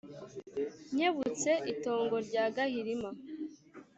nkebutse itongo rya gahirima